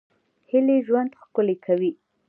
هیلې ژوند ښکلی کوي